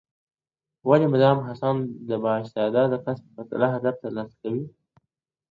ولي مدام هڅاند د با استعداده کس په پرتله هدف ترلاسه کوي؟